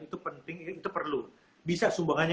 itu penting itu perlu bisa sumbangannya